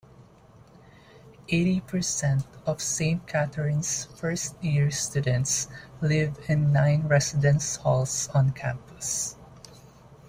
Eighty percent of Saint Catherine's first-year students live in nine residence halls on campus.